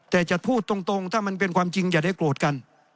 แต่จะพูดตรงถ้ามันเป็นความจริงอย่าได้โกรธกัน